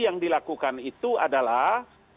yang dilakukan itu adalah